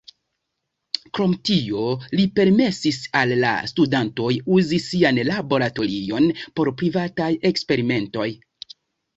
Krom tio, li permesis al la studantoj uzi sian laboratorion por privataj eksperimentoj.